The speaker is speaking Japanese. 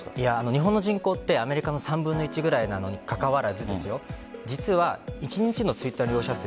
日本の人口ってアメリカの３分の１くらいにかかわらず実は１日のＴｗｉｔｔｅｒの利用者数